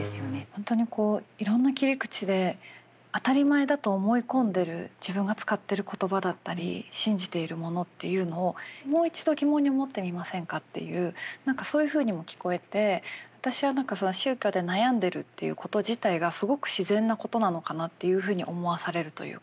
本当にいろんな切り口で当たり前だと思い込んでる自分が使ってる言葉だったり信じているものっていうのをもう一度疑問に思ってみませんかっていう何かそういうふうにも聞こえて私は何か宗教で悩んでるっていうこと自体がすごく自然なことなのかなっていうふうに思わされるというか。